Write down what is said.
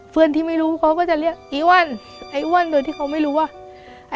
เพื่อนที่ไม่รู้เขาก็จะเรียกอีอ้วนไอ้อ้วนโดยที่เขาไม่รู้ว่า